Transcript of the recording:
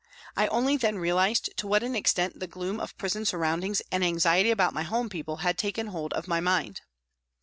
I only then realised to what an extent the gloom of prison surroundings and anxiety about my home people had taken hold of my mind.